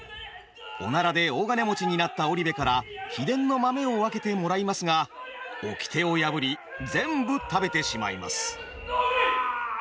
おならで大金持ちになった織部から秘伝の豆を分けてもらいますがおきてを破り全部食べてしまいます。